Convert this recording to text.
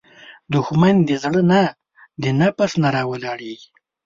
دښمن د زړه نه، د نفس نه راولاړیږي